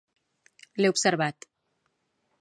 L'he observat.